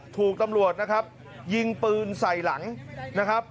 ถูกตำรวจนะครับยิงปืนใส่หลังนะครับ